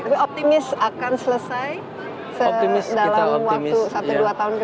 tapi optimis akan selesai dalam waktu satu dua tahun ke depan